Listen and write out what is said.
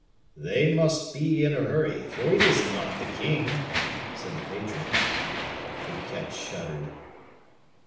"They must be in a hurry, for it is not the king," said the patron. Fouquet shuddered.